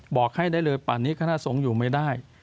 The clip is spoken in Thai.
บอกให้ได้เลยป่านนี้คณะสงฆ์อยู่ไม่ได้